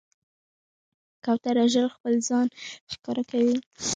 کوتره ژر خپل ځان ښکاره کوي.